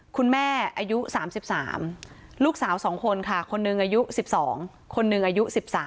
อายุ๓๓ลูกสาว๒คนค่ะคนหนึ่งอายุ๑๒คนหนึ่งอายุ๑๓